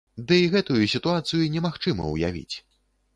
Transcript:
Ды і гэтую сітуацыю немагчыма ўявіць.